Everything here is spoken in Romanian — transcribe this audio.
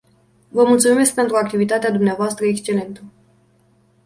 Vă mulțumesc pentru activitatea dvs.. excelentă.